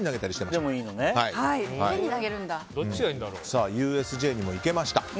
さあ、ＵＳＪにも行けました。